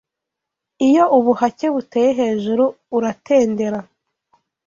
iyo ubuhake buteye hejuru uratendera